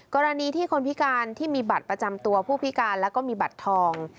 กรณีที่คนพิการที่มีบัตรประจำตัวผู้พิการแล้วก็มีบัตรทอง